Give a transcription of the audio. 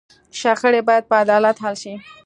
شخړې باید په عدالت حل شي.